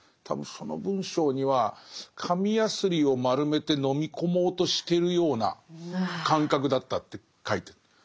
多分その文章には「紙やすりを丸めて飲み込もうとしてるような感覚だった」って書いてる。